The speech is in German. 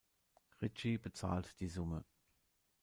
Richie bezahlt die Summe.